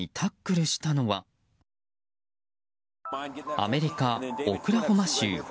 アメリカ・オクラホマ州。